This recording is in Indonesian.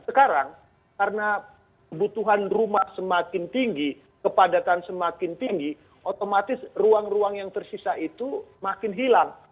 sekarang karena kebutuhan rumah semakin tinggi kepadatan semakin tinggi otomatis ruang ruang yang tersisa itu makin hilang